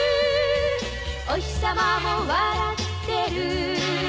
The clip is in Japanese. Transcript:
「おひさまも笑ってる」